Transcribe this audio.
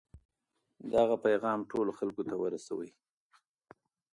دغه پیغام ټولو خلکو ته ورسوئ.